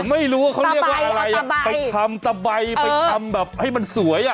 ไม่รู้ว่าเขาเรียกว่าอะไรไปทำตะใบไปทำแบบให้มันสวยอ่ะ